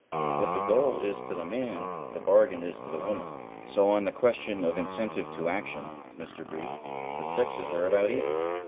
What the goal is to the man the bargain is to the woman, so on the question of incentive to action, Mr. Brief, the sexes are about even.